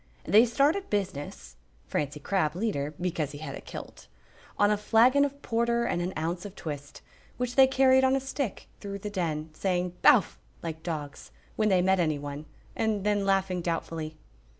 They started business (Francie Crabb leader, because he had a kilt) on a flagon of porter and an ounce of twist, which they carried on a stick through the Den, saying "Bowf!" like dogs, when they met anyone, and then laughing doubtfully.